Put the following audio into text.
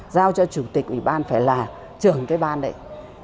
giao cho chủ tịch ủy ban phải là trưởng cái ban đấy